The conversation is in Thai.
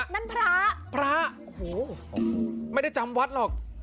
นั่นพระพระโอ้โหไม่ได้จำวัดหรอก